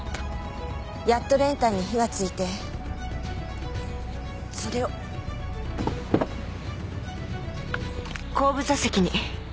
やっと練炭に火がついてそれを後部座席に。